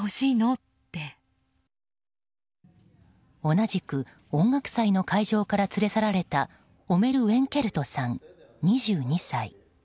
同じく音楽祭の会場から連れ去られたオメル・ウェンケルトさん２２歳。